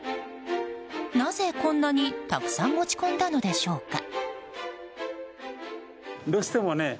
なぜこんなにたくさん持ち込んだのでしょうか。